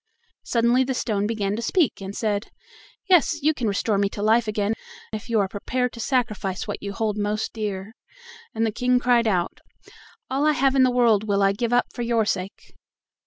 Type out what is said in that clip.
Suddenly the stone began to speak, and said: "Yes, you can restore me to life again if you are prepared to sacrifice what you hold most dear." And the King cried out: "All I have in the world will I give up for your sake."